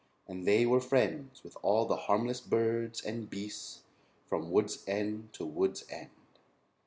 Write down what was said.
And they were friends with all the harmless birds and beasts from wood's end to wood's end.